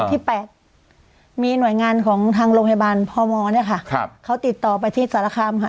ที่๘มีหน่วยงานของทางโรงพยาบาลพมเนี่ยค่ะครับเขาติดต่อไปที่สารคามค่ะ